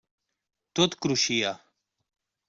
Tot cruixia.